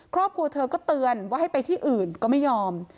ครอบครัวเธอก็เตือนว่าให้ไปที่อื่นก็ไม่ยอม